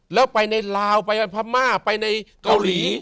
แล้วไปในลาวไปพม่าไปในเกาหลี